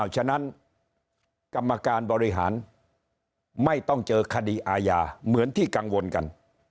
ฉะนั้นกรรมการบริหารไม่ต้องเจอคดีอาญาเหมือนที่กังวลกัน